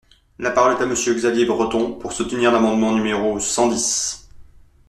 La parole est à Monsieur Xavier Breton, pour soutenir l’amendement numéro cent dix.